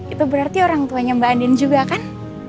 itu berarti orang tuanya mbak andin juga kan